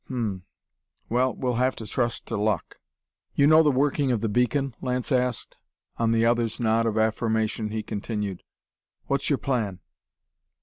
"Hm m. Well, we'll have to trust to luck." "You know the working of the beacon?" Lance asked. On the other's nod of affirmation he continued: "What's your plan?"